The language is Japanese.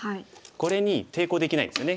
これに抵抗できないんですよね。